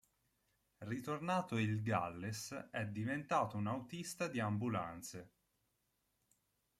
Ritornato il Galles, è diventato un autista di ambulanze.